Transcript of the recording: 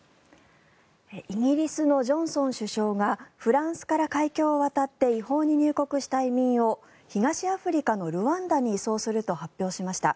イギリスのジョンソン首相がフランスから海峡を渡って違法に入国した移民を東アフリカのルワンダに移送すると発表しました。